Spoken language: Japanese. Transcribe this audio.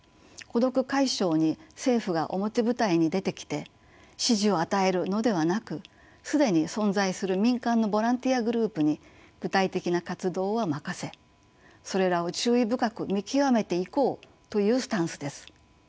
孤独解消に政府が表舞台に出てきて指示を与えるのではなく既に存在する民間のボランティアグループに具体的な活動は任せそれらを注意深く見極めていこうというスタンスです。